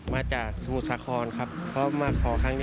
มาจากสมุทรสาพรคอนธรรมดาซาวะครอบครับ